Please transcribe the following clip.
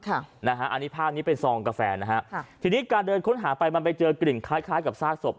อันนี้ภาพนี้เป็นซองกาแฟนะฮะค่ะทีนี้การเดินค้นหาไปมันไปเจอกลิ่นคล้ายคล้ายกับซากศพ